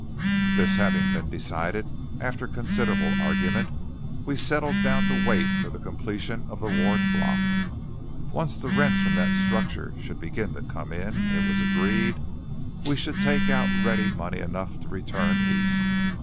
This having been decided after considerable argument we settled down to wait for the completion of the Ward Block. Once the rents from that structure should begin to come in, it was agreed we should take out ready money enough to return East.